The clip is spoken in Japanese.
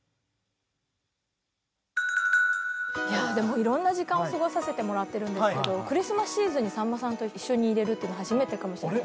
いろんな時間を過ごさせてもらってるんですけどクリスマスシーズンにさんまさんと一緒にいれるって初めてかもしれない。